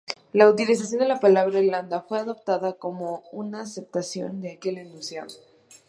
La utilización de la palabra 'Irlanda' fue adoptada como una aceptación de aquel enunciado.